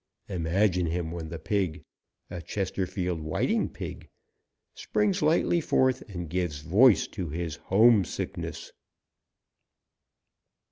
Imagine him when the pig a Chesterfield Whiting pig springs lightly forth and gives voice to his homesickness!